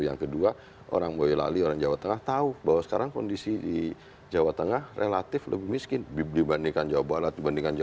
yang kedua orang boyolali orang jawa tengah tahu bahwa sekarang kondisi di jawa tengah relatif lebih miskin dibandingkan jawa barat dibandingkan jawa